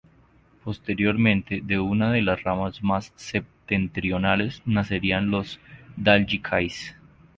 Posteriormente, de una de las ramas más septentrionales nacerían los Dál gCais.